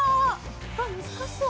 あ難しそう！